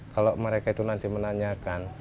kalau mereka itu nanti menanyakan